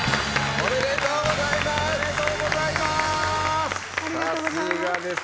ありがとうございます。